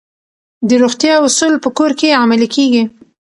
د روغتیا اصول په کور کې عملي کیږي.